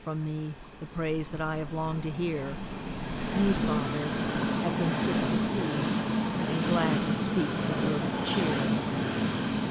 from me The praise that I have longed to hear, Y>u, Father, have been quick to see Ar^d glad to speak the word of cheer.